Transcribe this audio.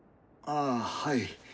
ああはい。